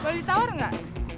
boleh ditawar gak